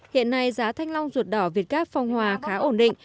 hiện nay giá thanh long ruột đỏ việt gác phong hòa khá ổn định